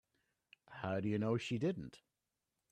How do you know she didn't?